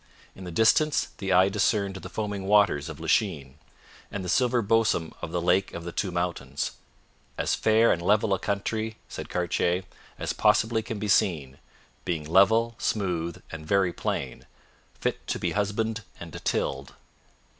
In the distance the eye discerned the foaming waters of Lachine, and the silver bosom of the Lake of the Two Mountains: 'as fair and level a country,' said Cartier, 'as possibly can be seen, being level, smooth, and very plain, fit to be husbanded and tilled.'